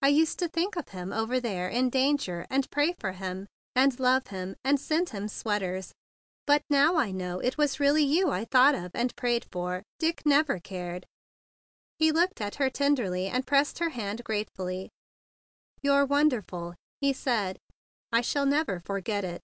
I used to think of him over there in danger, and pray for him, and love him, and send him sweaters; 7 98 THE BIG BLUE SOLDIER but now I know it was really you I thought of and prayed for. Dick never cared." He looked at her tenderly, and pressed her hand gratefully. "You're wonderful!" he said. "I shall never forget it."